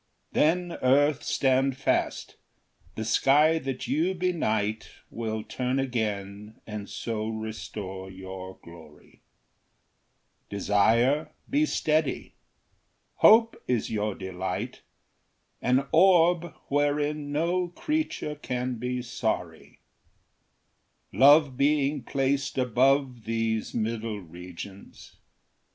Then earth, stand fast ; the sky that you benight Will turn again and so restore your glory ; Desire, be steady ; hope is your delight, An orb wherein no creature can be sorry, Love being placed above these middle regions.